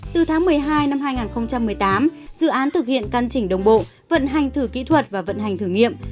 từ tháng một mươi hai năm hai nghìn một mươi tám dự án thực hiện căn chỉnh đồng bộ vận hành thử kỹ thuật và vận hành thử nghiệm